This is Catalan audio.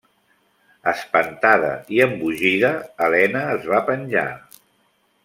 Espantada i embogida, Helena es va penjar.